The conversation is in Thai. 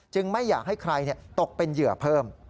ไม่อยากให้ใครตกเป็นเหยื่อเพิ่ม